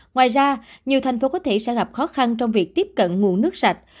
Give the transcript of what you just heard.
ngoài ra nhiều thành phố có thể sẽ gặp khó khăn trong việc tiếp cận nguồn nước sạch